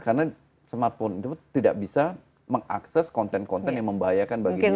karena smartphone itu tidak bisa mengakses konten konten yang membahayakan bagi dirinya